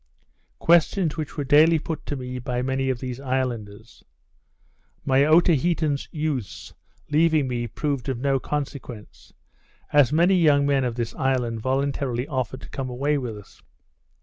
Questions which were daily put to me by many of these islanders. My Otaheitean youth's leaving me proved of no consequence, as many young men of this island voluntarily offered to come away with us.